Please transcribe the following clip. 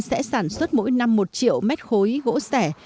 sẽ sản xuất mỗi năm một triệu mét khối gỗ sẻ